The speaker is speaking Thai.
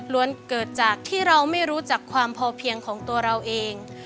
เกิดจากที่เราไม่รู้จักความพอเพียงของตัวเราเอง